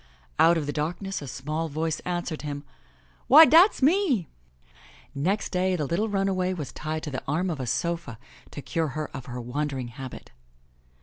'* Out of the darkness a small voice answered him,*' Why dat's me !" Next day the little runaway was tied to the arm of a sofa to cure her of her wandering habit.